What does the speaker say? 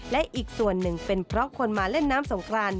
และอีกส่วนหนึ่งเป็นเพราะคนมาเล่นน้ำสงคราน